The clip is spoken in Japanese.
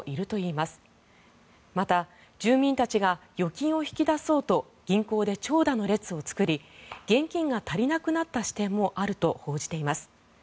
また、住民たちが預金を引き出そうと銀行で長蛇の列を作り現金が足りなくなった支店もあると報じています。